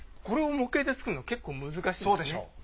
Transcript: これを模型で作るの結構難しいんですね。